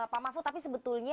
pak mahfud tapi sebetulnya